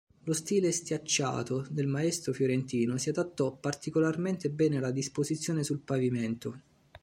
Lo stile stiacciato del maestro fiorentino si adattò particolarmente bene alla disposizione sul pavimento.